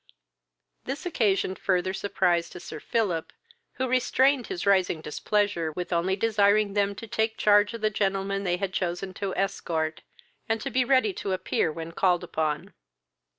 This occasioned further surprise to Sir Philip, who restrained his rising displeasure with only desiring them to take charge of the gentleman they had chosen to escort, and to be ready to appear when called upon.